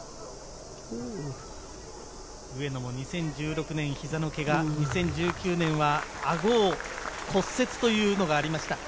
上野も２０１６年膝のけが、２０１９年はあごを骨折というのがありました。